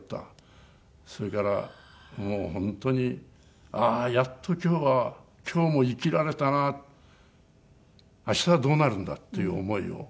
それからもう本当にああやっと今日は今日も生きられたな明日はどうなるんだ？っていう思いを。